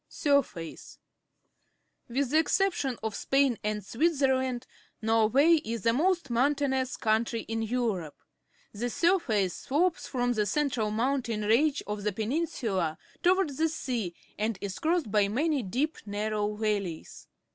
A Norwegian Fiord Sijrface. — With the exception of Spain and Switzerland, Norway is the most moun tainous country in Europe. The .surface slopes from the central mountain range of the peninsula toward the sea and is crossed by many deep, narrow valleys.